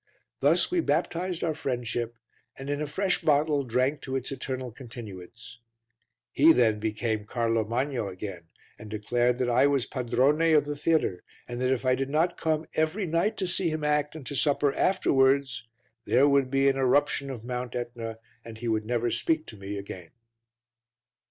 Thus we baptized our friendship and in a fresh bottle drank to its eternal continuance. He then became Carlo Magno again and declared that I was padrone of the theatre, and that if I did not come every night to see him act, and to supper afterwards, there would be an eruption of Mount Etna and he would never speak to me again.